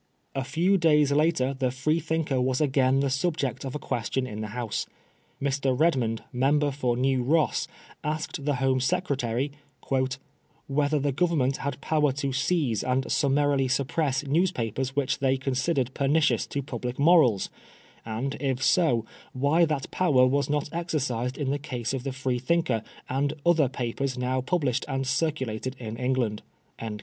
A few days later the Freethinker was again the subject of a question in the House. Mr. Redmond, member for New Ross, asked the Home Secretary "whether the Government had power to seize and summarily suppress newspapers which they considered pernicions to public morals ; and, if so, why that power was not exercised in the case of the Freethinker and other papers now published and circulated in England."